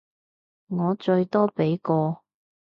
我最多畀個